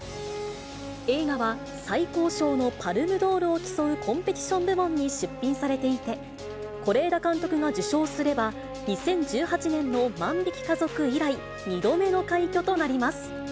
映画は、最高賞のパルムドールを競うコンペティション部門に出品されていて、是枝監督が受賞すれば、２０１８年の万引き家族以来、２度目の快挙となります。